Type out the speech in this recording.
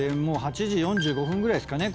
８時４５分ぐらいですかね